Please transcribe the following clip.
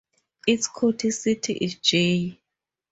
Its county seat is Jay.